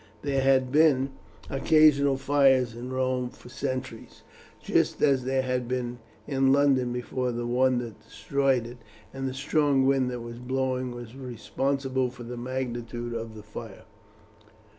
There had been occasional fires in Rome for centuries, just as there had been in London before the one that destroyed it, and the strong wind that was blowing was responsible for the magnitude of the fire.